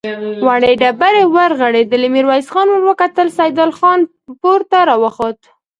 وړې ډبرې ورغړېدې، ميرويس خان ور وکتل، سيدال خان پورته را خوت.